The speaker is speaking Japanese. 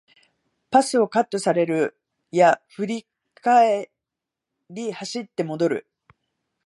パスをカットされるや振り返り走って戻る